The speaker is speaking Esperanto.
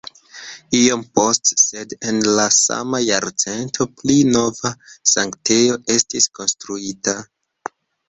Iom poste sed en la sama jarcento pli nova sanktejo estis konstruita.